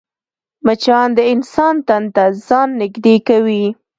مچان د انسان تن ته ځان نږدې کوي